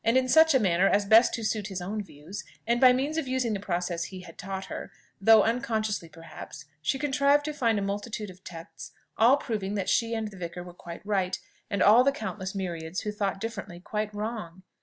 in such a manner as best to suit his own views, and by means of using the process he had taught her, though unconsciously perhaps, she contrived to find a multitude of texts, all proving that she and the vicar were quite right, and all the countless myriads who thought differently, quite wrong.